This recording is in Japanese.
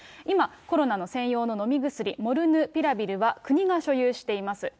今、コロナの専用の飲み薬、モルヌピラビルは国が所有しています。